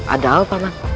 ada apa pak man